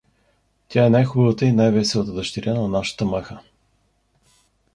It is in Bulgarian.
Тя е най-хубавата и най-веселата дъщеря на нашата Маха.